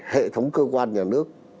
hệ thống cơ quan nhà nước